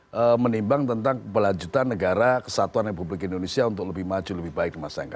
lebih daripada itu adalah menimbang tentang keberlanjutan negara kesatuan yang publik indonesia untuk lebih maju lebih baik